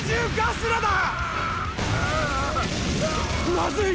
まずい！